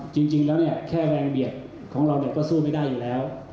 จริงแล้วแค่รายละเอียดของเราก็สู้ไม่ได้อยู่แล้ว